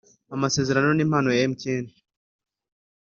Amasezerano y impano ya mtn